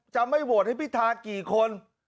จะไม่โหวตให้พิธากี่คน